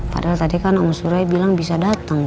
padahal tadi kan om suroi bilang bisa datang